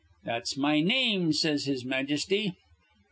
'That's my name,' says his majesty.